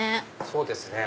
そうですね。